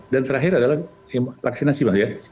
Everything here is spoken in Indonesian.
dan terakhir adalah vaksinasi ya